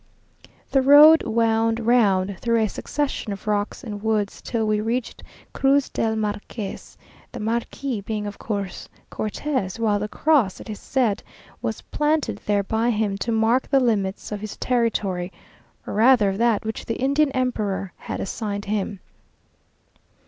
The road wound round through a succession of rocks and woods till we reached Cruz del Marques the Marquis being of course Cortes, while the cross, it is said, was planted there by him to mark the limits of his territory, or rather of that which the Indian Emperor had assigned him.